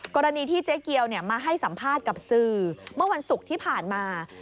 กรณีที่เจ๊เกียวมาให้สัมภาษณ์กับสื่อเมื่อวันศุกร์ที่ผ่านมา